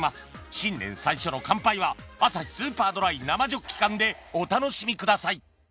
新年最初の乾杯はアサヒスーパードライ生ジョッキ缶でお楽しみください